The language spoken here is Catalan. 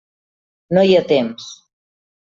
No hi ha temps.